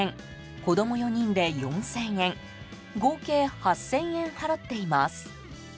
子供４人で４０００円合計８０００円払っています。